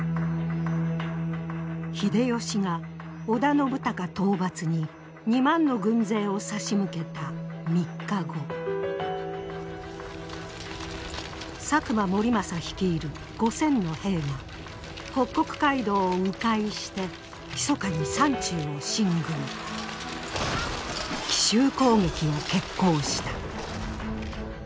秀吉が織田信孝討伐に２万の軍勢を差し向けた３日後佐久間盛政率いる５，０００の兵が北国街道をう回してひそかに山中を進軍奇襲攻撃を決行した。